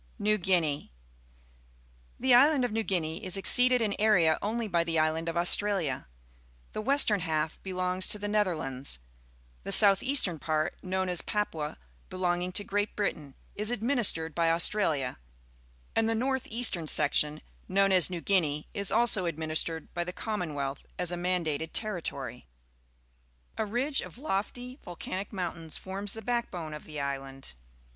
NEW GUINEA ^^O^ The island of New Guinea is exceeded in area only by the island of Australia. The western half belongs to the Netherlands; the south eastern part, known as Papua, be longing to Great Britain, is administered by Australia, and the north eastern section, known as New Guinea, is also administered by the Commonwealth as a mandated ter ritory. A ridge of lofty volcanic mountains forms the backbone of the island.